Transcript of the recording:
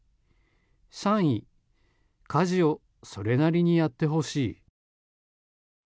３位、家事をそれなりにやってほしい。